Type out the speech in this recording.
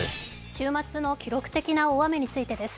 週末の記録的な大雨についてです。